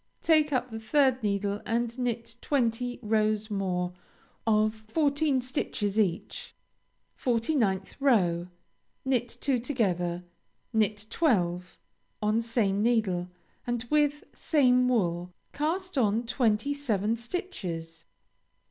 Take up the third needle and knit twenty rows more, of fourteen stitches each. 49th row Knit two together; knit twelve; on same needle, and with same wool, cast on twenty seven stitches.